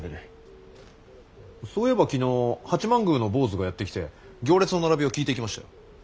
そういえば昨日八幡宮の坊主がやって来て行列の並びを聞いていきましたよ。